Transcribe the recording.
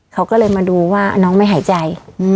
เขาก็เลยมาดูว่าน้องไม่หายใจ